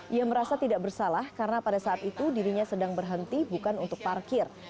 ia merasa tidak bersalah karena pada saat itu dirinya sedang berhenti bukan untuk parkir